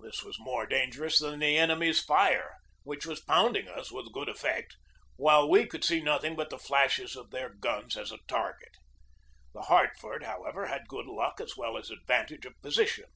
This was more dangerous than the enemy's fire, which was pound ing us with good effect, while we could see nothing THE BATTLE OF PORT HUDSON 89 but the flashes of their guns as a target. The Hart ford, however, had good luck as well as advantage of position.